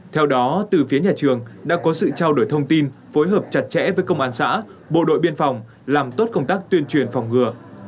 theo đó từ phía nhà trường đã có sự trao đổi thông tin phối hợp chặt chẽ với công an xã bộ đội biên phòng làm tốt công tác tuyên truyền phòng ngừa